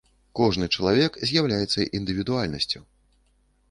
Кожны чалавек з'яўляецца індывідуальнасцю.